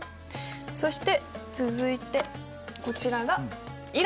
そして続いてこちらがイラン。